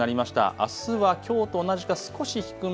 あすはきょうと同じか少し低め